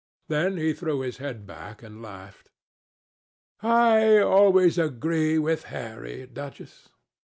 Then he threw his head back and laughed. "I always agree with Harry, Duchess."